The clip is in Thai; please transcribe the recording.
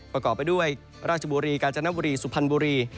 ประกอบไปด้วยราชบุรีกาญจนบุรีสุพรรณบุรี